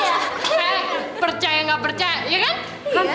eh percaya gak percaya iya kan